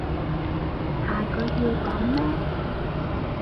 下句要講咩？